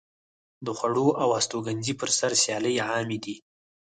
د خوړو او هستوګنځي پر سر سیالۍ عامې دي.